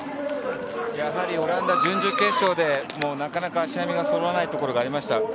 やはりオランダは準々決勝で、なかなか足並みがそろわないところがありました。